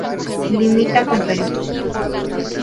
Limita con Perú.